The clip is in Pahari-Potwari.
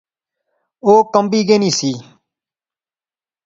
او کمبی گینی سی